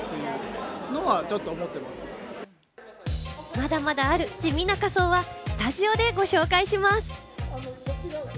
まだまだある地味な仮装はスタジオでご紹介します。